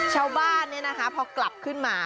ชาวบ้านพอกลับขึ้นมา